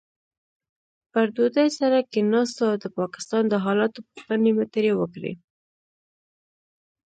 پر ډوډۍ سره کښېناستو او د پاکستان د حالاتو پوښتنې مې ترې وکړې.